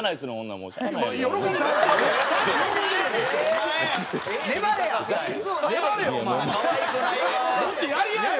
もっとやり合えよ